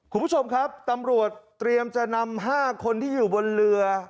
คุณผู้ชมครับตำรวจเตรียมจะนำ๕คนที่อยู่บนเรือ